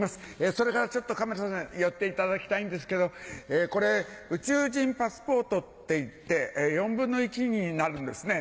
それからちょっとカメラさん寄っていただきたいんですけどこれ宇宙人パスポートっていって４分の１になるんですね